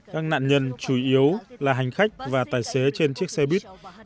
các nạn nhân chủ yếu là hành khách và tài xế trên chiếc xe buýt